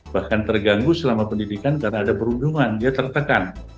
bahkan terganggu selama pendidikan karena ada perundungan dia tertekan